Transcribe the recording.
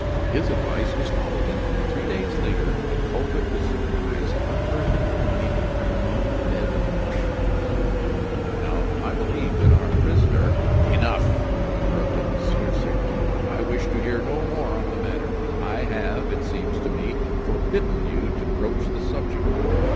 His advice was followed; and three days later the culprit was surprised unearthing the money from among a bed of mushrooms. Now, I believe that our prisoner " "Enough!" interrupted M. Segmuller. "I wish to hear no more on the matter. I have, it seems to me, forbidden you to broach the subject."